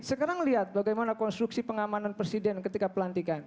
sekarang lihat bagaimana konstruksi pengamanan presiden ketika pelantikan